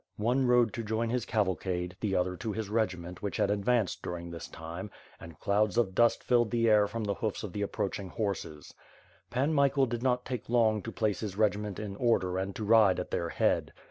One rode to join his cavalcade, the • thor to his regiment which had advanced during this time, and clouds of dust filled the air from the hoofs of the ap proaching horses. Pan Michael did not take long to place his regiment in order and to ride at their head.